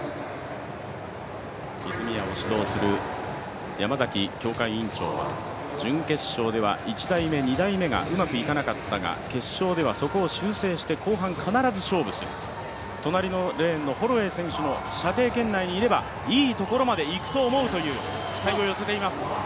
泉谷を指導する山崎強化委員長は、準決勝では１台目、２台目がうまくいかなかったが、決勝ではそこは修正して後半必ず勝負する、隣のレーンのホロウェイ選手の射程圏内にいればいいところまでいくと思うと期待を寄せています。